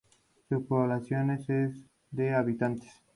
Su población es de habitantes.